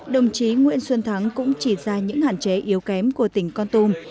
đồng chí nguyễn xuân thắng cũng chỉ ra những hạn chế yếu kém của tỉnh con tum